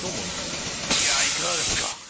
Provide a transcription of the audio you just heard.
いやぁいかがですか？